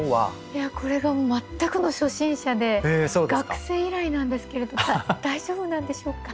いやこれが全くの初心者で学生以来なんですけれども大丈夫なんでしょうか？